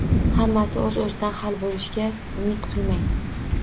Hammasi o‘z-o‘zidan hal bo‘lishiga umid qilmang.